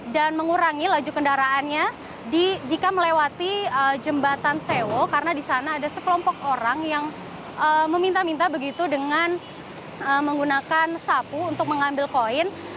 dan mengurangi laju kendaraannya jika melewati jembatan sewo karena disana ada sekelompok orang yang meminta minta begitu dengan menggunakan sapu untuk mengambil koin